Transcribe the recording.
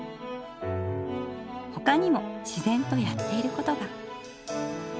ほかにも自然とやっていることが。